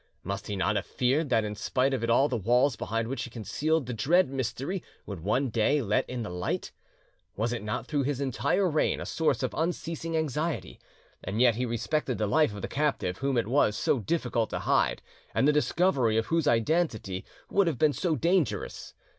Must he not have feared that in spite of it all the walls behind which he concealed the dread mystery would one day let in the light? Was it not through his entire reign a source of unceasing anxiety? And yet he respected the life of the captive whom it was so difficult to hide, and the discovery of whose identity would have been so dangerous.